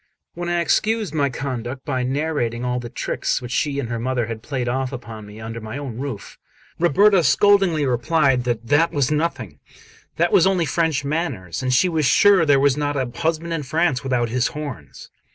When I excused my conduct by narrating all the tricks which she and her mother had played off upon me under my own roof, Ruberta scoldingly replied that 'that' was nothing that was only French manners, and she was sure there was not a husband in France without his horns.